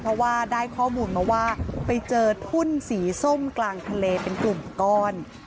เพราะว่าได้ข้อมูลมาว่าไปเจอทุ่นสีส้มกลางทะเลเป็นกลุ่มก้อน